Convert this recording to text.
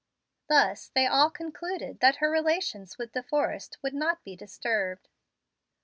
Thus they all concluded that her relations with De Forrest would not be disturbed.